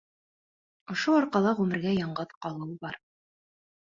Ошо арҡала ғүмергә яңғыҙ ҡалыуы бар.